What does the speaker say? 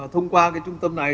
thông qua trung tâm này